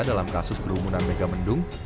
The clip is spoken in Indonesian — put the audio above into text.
dalam kasus kerumunan megamendung